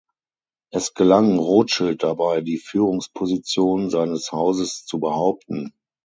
Es gelang Rothschild dabei die Führungsposition seines Hauses zu behaupten.